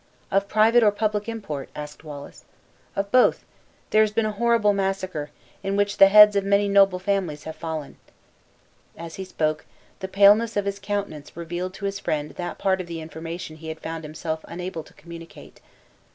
"Of private or public import?" asked Wallace. "Of both. There has been a horrid massacre, in which the heads of many noble families have fallen." As he spoke, the paleness of his countenance revealed to his friend that part of the information he had found himself unable to communicate.